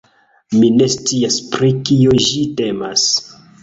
Mi ne scias pri kio ĝi temas